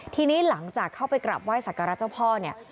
ทีนี้หลังจากเข้าไปกลับไห้สักการะเจ้าพ่อเนี่ย